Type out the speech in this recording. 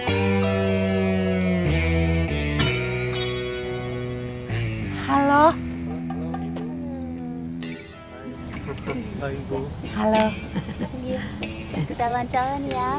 apa karna saya berjalanlah ke kondisi alertingsnya